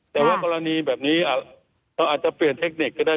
แต่ว่ากรณีแบบนี้เราอาจจะเปลี่ยนเทคนิคก็ได้